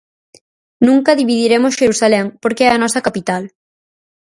Nunca dividiremos Xerusalén porque é a nosa capital.